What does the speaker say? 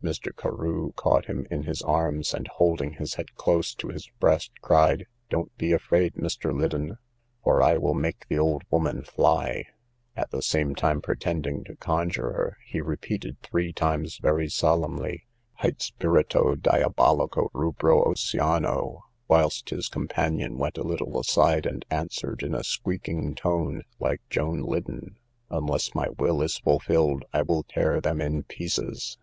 Mr. Carew caught him in his arms, and, holding his head close to his breast, cried, don't be afraid, Mr. Liddon, for I will make the old woman fly; at the same time, pretending to conjure her, he repeated three times very solemnly, "Hight spirito diabolico rubro oceano," whilst his companion went a little aside, and answered in a squeaking tone, like Joan Liddon, unless my will is fulfilled, I will tear them in pieces.